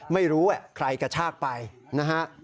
ไม่รู้ว่าใครกระชากไปนะฮะ